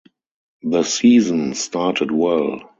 The Season started well.